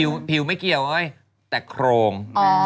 ผิวไม่เกี่ยวเอ้ยแต่โครง